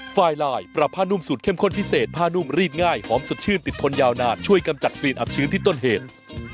ไฟลายปรับผ้านุ่มสูตรเข้มข้นพิเศษผ้านุ่มรีดง่ายหอมสดชื่นติดทนยาวนานช่วยกำจัดกลิ่นอับชื้นที่ต้นเหตุ